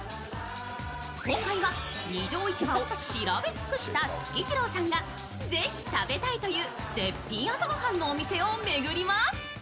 今回は二条市場を知り尽くしたつきじろうさんがぜひ食べたいという絶品朝ご飯のお店を巡ります。